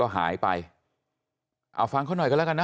หายไปเอาฟังเขาหน่อยกันแล้วกันนะ